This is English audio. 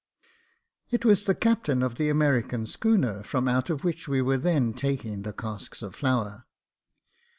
It was the captain of the American schooner, from out of M'hich we were then taking the casks of flour.